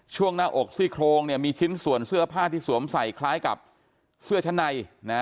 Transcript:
หน้าอกซี่โครงเนี่ยมีชิ้นส่วนเสื้อผ้าที่สวมใส่คล้ายกับเสื้อชั้นใน